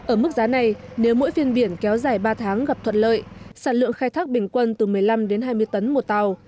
ở mức giá này nếu mỗi phiên biển kéo dài ba tháng gặp thuận lợi sản lượng khai thác bình quân từ một mươi năm đến hai mươi tấn một tàu